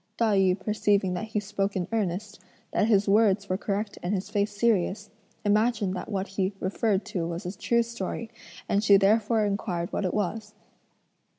Tai yü perceiving that he spoke in earnest, that his words were correct and his face serious, imagined that what he referred to was a true story, and she therefore inquired what it was?